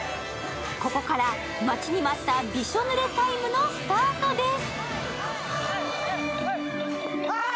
ここから待ちに待ったびしょぬれタイムのスタートです。